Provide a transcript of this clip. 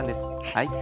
はい。